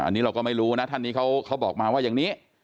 อันนี้เราก็ไม่รู้นะท่านนี้เขาบอกมาว่าอย่างนี้